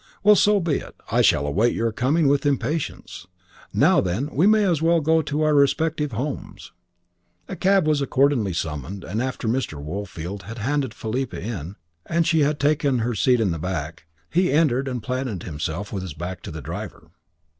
"Well, so be it. I shall await your coming with impatience. Now, then, we may as well go to our respective homes." A cab was accordingly summoned, and after Mr. Woolfield had handed Philippa in, and she had taken her seat in the back, he entered and planted himself with his back to the driver.